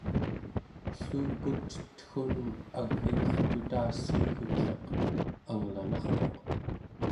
elluqutetgun ag'inertutassiigutleq anglanarquq